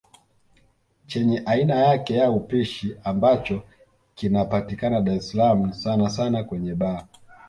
Chenye aina yake ya upishi ambacho kinapatikana Dar es salaam sana sana kwenye baa